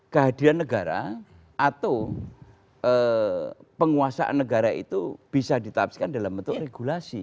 kehadiran negara atau penguasaan negara itu bisa ditafsirkan dalam bentuk regulasi